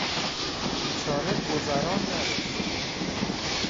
بیچاره گذران نداشت